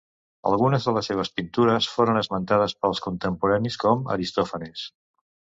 Algunes de les seves pintures foren esmentades pels contemporanis com Aristòfanes.